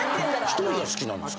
１人が好きなんですか？